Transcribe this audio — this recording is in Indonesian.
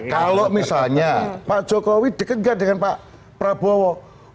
kalau misalnya pak jokowi dekat gak dengan pak prabowo